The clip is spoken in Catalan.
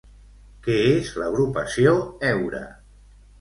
Què és l'agrupació Heura?